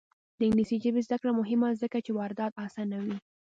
د انګلیسي ژبې زده کړه مهمه ده ځکه چې واردات اسانوي.